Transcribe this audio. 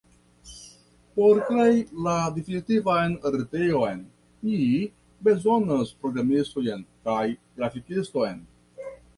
Por krei la definitivan retejon ni bezonas programistojn kaj grafikiston.